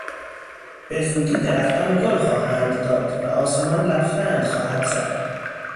به زودی درختان گل خواهند داد و آسمان لبخند خواهد زد.